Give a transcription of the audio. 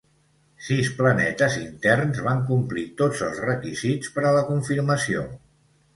Sis planetes interns van complir tots els requisits per a la confirmació.